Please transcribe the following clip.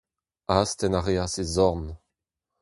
Astenn a reas e zorn.